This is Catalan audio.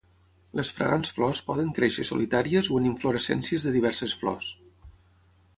Les fragants flors poden créixer solitàries o en inflorescències de diverses flors.